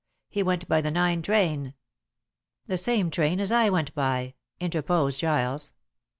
He went by the nine train." "The same train as I went by," interposed Giles.